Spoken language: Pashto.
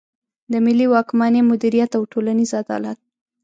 د ملي واکمني مدیریت او ټولنیز عدالت.